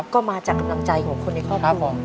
ก็มาจากกำลังใจของคนในครอบครัว